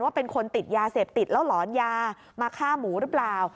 เป็นคนติดยาเสพติดแล้วหลอนยามาฆ่าหมูหรือเปล่า